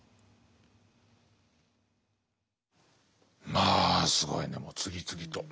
まあすごいねもう次々と。